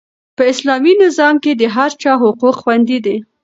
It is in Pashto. په اسلامي نظام کې د هر چا حقوق خوندي دي.